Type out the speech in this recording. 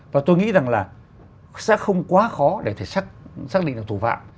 và tôi nghĩ rằng là sẽ không quá khó để thể xác định là thủ phạm